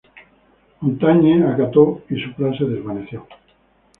Montagne acató y su plan se desvaneció.